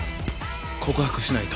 告白しないと！